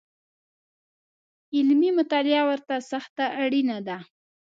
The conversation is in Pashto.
علمي مطالعه ورته سخته اړینه ده